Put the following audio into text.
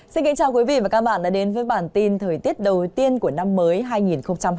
xin kính chào quý vị và các bạn đã đến với bản tin thời tiết đầu tiên của năm mới hai nghìn hai mươi bốn